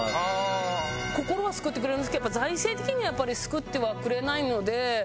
心は救ってくれるんですけど財政的にはやっぱり救ってはくれないので。